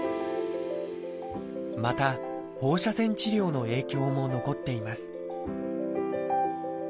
また放射線治療の影響も残っています